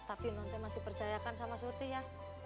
tapi nanti masih percayakan sama surti ya